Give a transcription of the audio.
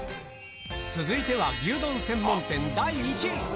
続いては牛丼専門店第１位。